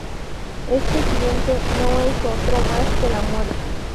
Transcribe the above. Este cliente no es otro más que La Muerte.